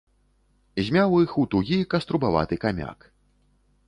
Змяў іх у тугі каструбаваты камяк.